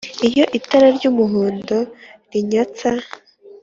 Iyo itara ry'umuhondo rimyatsa